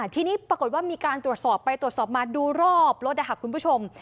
ทีนี้ปรากฏว่ามีการตรวจสอบไปตรวจสอบมาดูรอบรถนะคะคุณผู้ชม